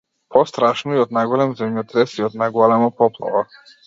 Пострашно и од најголем земјотрес и од најголема поплава!